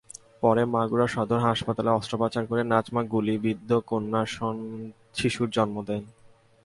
পরে মাগুরা সদর হাসপাতালে অস্ত্রোপচার করে নাজমা গুলিবিদ্ধ কন্যাশিশুর জন্ম দেন।